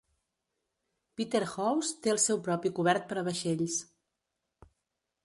Peterhouse té el seu propi cobert per a vaixells.